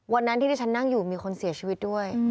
วันนั้นที่ที่ฉันนั่งอยู่มีคนเสียชีวิตด้วย